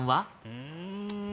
うん。